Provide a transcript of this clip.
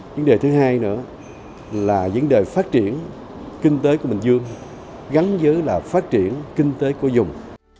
vấn đề thứ hai nữa là vấn đề phát triển kinh tế của bình dương gắn với phát triển kinh tế của dùng